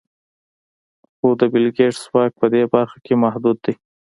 خو د بېل ګېټس واک په دې برخه کې محدود دی.